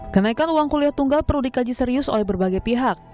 kenaikan uang kuliah tunggal perlu dikaji serius oleh berbagai pihak